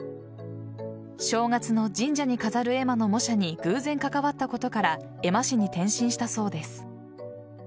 正月の神社に飾る絵馬の模写に偶然、関わったことから絵馬師に転身したそうです。